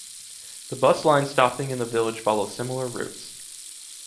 The bus lines stopping in the village follow similar routes.